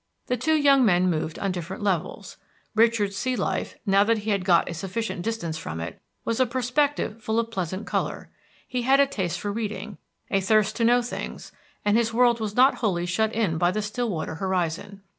The two young men moved on different levels. Richard's sea life, now that he had got at a sufficient distance from it, was a perspective full of pleasant color; he had a taste for reading, a thirst to know things, and his world was not wholly shut in by the Stillwater horizon.